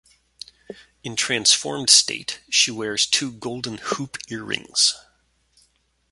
In transformed state, she wears two golden hoop earrings.